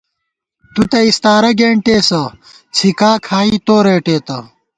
تُو تہ استارہ کېنٹېسہ، څھِکا کھائی تو رېٹېتہ